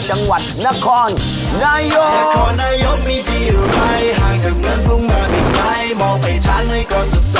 จังหวัดนครนายก